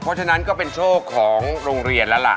เพราะฉะนั้นก็เป็นโชคของโรงเรียนแล้วล่ะ